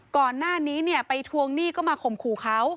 ก่อนหน้านี้เนี่ยไปทวงหนี้ก็มาข่มขู่เขา